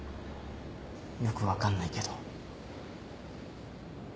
よく分かんないけど。